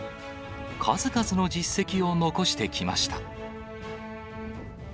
数々の実績を残してきました。